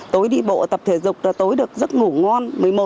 tối đi bộ tập thể dục là tối được giấc ngủ ngon